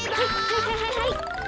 はいはいはいはい。